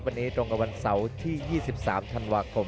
วันนี้ตรงกับวันเสาร์ที่๒๓ธันวาคม